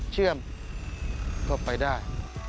เชื่อมก็ไปได้